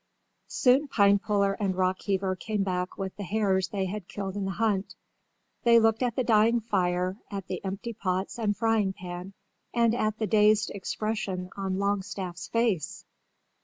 Soon Pinepuller and Rockheaver came back with the hares they had killed in the hunt. They looked at the dying fire, at the empty pots and frying pan, and at the dazed expression on Longstaff's face.